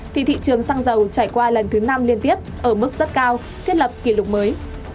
thì thị trường xăng dầu trải qua lần thứ năm liên tiếp ở mức rất cao thiết lập kỷ lục mới